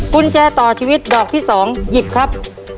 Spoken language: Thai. กุญแจต่อชีวิตดอกที่๒หยิบครับ